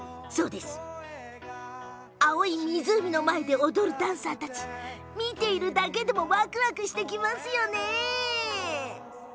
青い湖の前で踊るダンサーたち見ているだけでもわくわくしてきますよね。